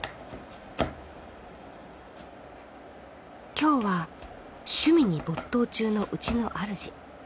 今日は趣味に没頭中のうちのあるじ。